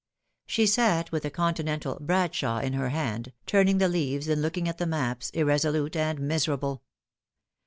She sat with a Continental " Bradshaw " in her hand, turning the leaves and looking at the maps, irresolute and miserable.